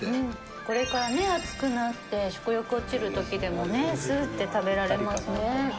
これからね暑くなって食欲落ちる時でもねスーッて食べられますね。